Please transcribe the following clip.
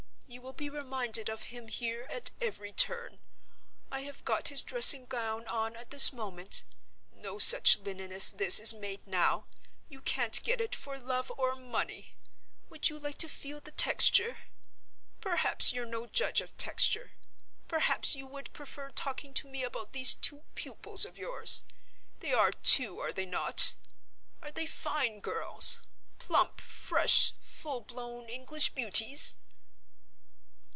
You will be reminded of him here at every turn. I have got his dressing gown on at this moment. No such linen as this is made now—you can't get it for love or money. Would you like to feel the texture? Perhaps you're no judge of texture? Perhaps you would prefer talking to me about these two pupils of yours? They are two, are they not? Are they fine girls? Plump, fresh, full blown English beauties?"